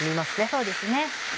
そうですね。